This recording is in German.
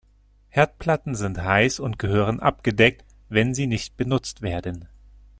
Herdplatten sind heiß und gehören abgedeckt, wenn sie nicht benutzt werden.